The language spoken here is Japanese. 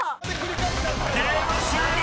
［ゲーム終了！］